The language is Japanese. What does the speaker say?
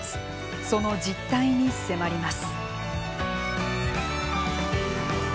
その実態に迫ります。